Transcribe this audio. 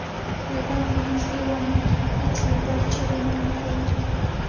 یو بل مو نژدې وموند، هیڅ یو بل چیري نه وو تللي.